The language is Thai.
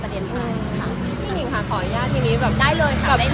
พี่นิ่งค่ะขออนุญาตที่นี้ได้เลยค่ะ